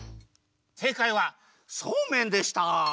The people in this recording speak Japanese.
せいかいはそうめんでした！